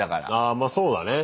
あまあそうだね。